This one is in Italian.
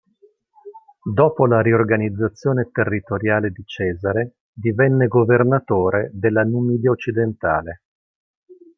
Dopo la riorganizzazione territoriale di Cesare divenne governatore della Numidia occidentale.